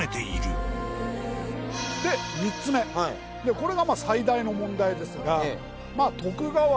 これが最大の問題ですが。